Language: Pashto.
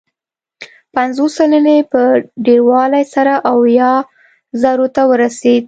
پنځوس سلنې په ډېروالي سره اویا زرو ته ورسېد.